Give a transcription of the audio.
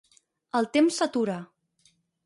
El temps s'atura.